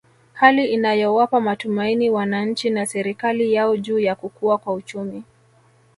Hali inayowapa matumaini wananchi na serikali yao juu ya kukua kwa uchumi